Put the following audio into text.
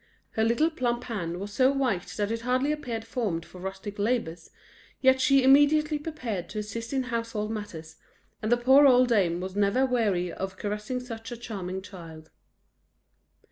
Her little plump hand was so white that it hardly appeared formed for rustic labours, yet she immediately prepared to assist in household matters, and the poor old dame was never weary of caressing such a charming child.